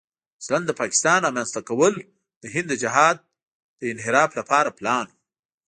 اصلاً د پاکستان رامنځته کېدل د هند د جهاد د انحراف لپاره پلان و.